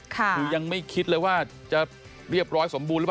คือยังไม่คิดเลยว่าจะเรียบร้อยสมบูรณหรือเปล่า